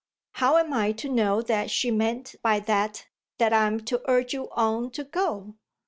How am I to know that she meant by that that I'm to urge you on to go?"